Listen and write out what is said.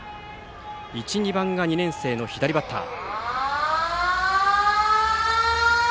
１、２番が２年生の左バッター。